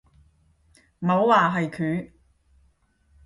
冇話係佢